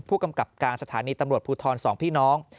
ผู้กำกับการสถานีตำรวจภูทร๒พี่น้อง